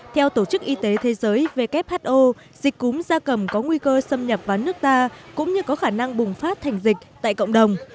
theo tổ chức y tế thế giới who dịch cúm da cầm có nguy cơ xâm nhập vào nước ta cũng như có khả năng bùng phát thành dịch tại cộng đồng